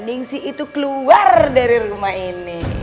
ning si itu keluar dari rumah ini